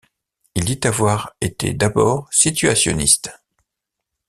Il dit avoir été d'abord situationniste.